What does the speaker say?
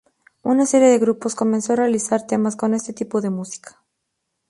Una serie de grupos comenzó a realizar temas con este tipo de música.